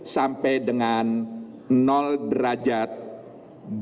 sampai dengan derajat dua puluh menit